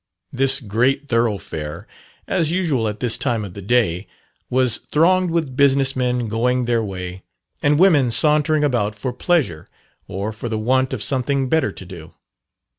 This great thoroughfare, as usual at this time of the day, was thronged with business men going their way, and women sauntering about for pleasure or for the want of something better to do.